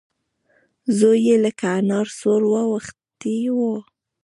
زوی يې لکه انار سور واوښتی و.